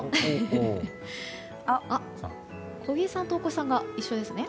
小木さんと大越さんが一緒ですね。